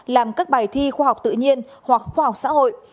làm các bài thi khoa học tự nhiên hoặc khoa học xã hội